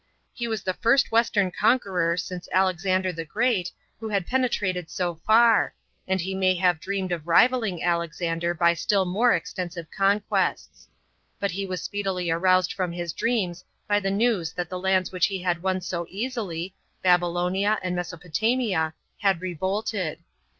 He was t^e first western conqueror since Alexander tie Great, who had penetrated so far, and he may have dreamed of rivalling Alexander by still more extensive conquests. But he was speedily aroused from his dreams by the news that the lands which he had won so easily, Babylonia and Mesopotamia, had revolted.